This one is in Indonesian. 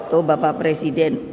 setuju bapak presiden